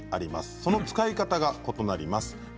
その使い方が異なります。